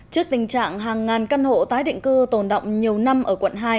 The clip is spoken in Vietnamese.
trước tình trạng hàng ngàn căn hộ tái định cư tồn động nhiều năm ở quận hai